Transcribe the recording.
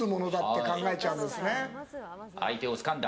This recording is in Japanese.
相手をつかんだ。